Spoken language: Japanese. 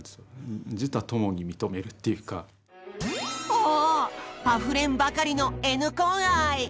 おおっあふれんばかりのＮコン愛！